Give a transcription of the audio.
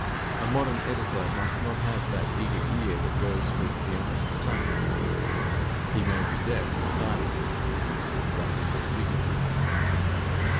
A modern editor must not have that eager ear that goes with the honest tongue. He may be deaf and silent; and that is called dignity.